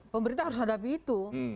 pemerintah harus hadapi itu